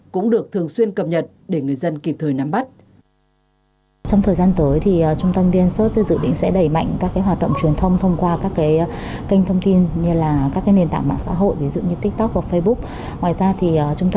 cũng được thường xuyên cập nhật để người dân kịp thời nắm bắt